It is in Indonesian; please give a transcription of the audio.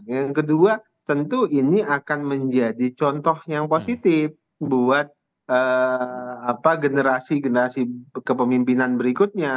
yang kedua tentu ini akan menjadi contoh yang positif buat generasi generasi kepemimpinan berikutnya